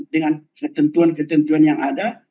dengan ketentuan ketentuan yang ada